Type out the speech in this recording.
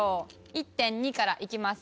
１．２からいきます。